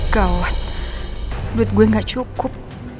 gawat duit gue gak cukup